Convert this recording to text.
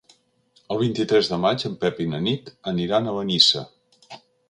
El vint-i-tres de maig en Pep i na Nit aniran a Benissa.